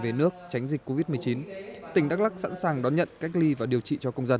về nước tránh dịch covid một mươi chín tỉnh đắk lắc sẵn sàng đón nhận cách ly và điều trị cho công dân